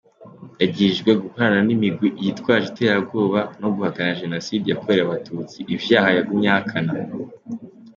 Yagirijwe gukorana n'imigwi yitwaje iterabwoba no guhakana jenocide yakorewe abatutsi, ivyaha yagumye ahakana.